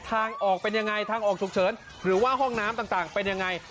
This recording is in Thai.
ทางออกเป็นยังไงทางออกฉุกเฉินหรือว่าห้องน้ำต่างเป็นยังไง